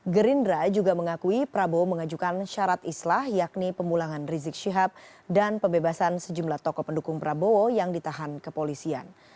gerindra juga mengakui prabowo mengajukan syarat islah yakni pemulangan rizik syihab dan pembebasan sejumlah tokoh pendukung prabowo yang ditahan kepolisian